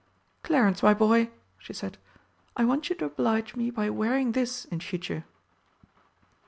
"Clarence, my boy," she said, "I want you to oblige me by wearing this in future."